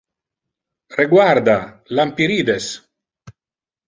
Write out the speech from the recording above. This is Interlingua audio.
Reguarda, lampyrides!